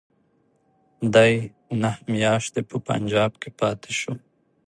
دی نهه میاشتې په پنجاب کې پاته شو.